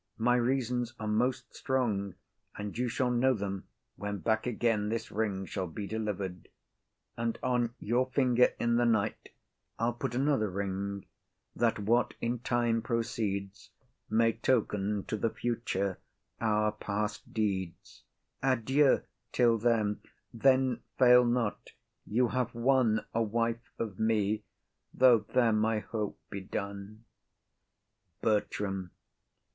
My reasons are most strong; and you shall know them When back again this ring shall be deliver'd; And on your finger in the night, I'll put Another ring, that what in time proceeds May token to the future our past deeds. Adieu till then; then fail not. You have won A wife of me, though there my hope be done. BERTRAM.